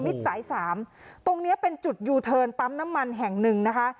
มิตรสาย๓ตรงนี้เป็นจุดยูเทิร์นปั๊มน้ำมันแห่ง๑นะคะ